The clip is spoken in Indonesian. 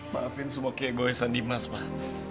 maafin semua kegawasan dimas mbak